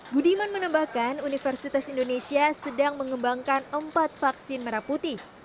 budiman menambahkan universitas indonesia sedang mengembangkan empat vaksin merah putih